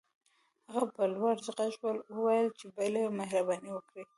هغه په لوړ غږ وويل چې بلې مهرباني وکړئ.